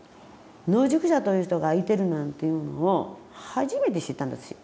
野宿者という人がいてるなんていうのを初めて知ったんですよ。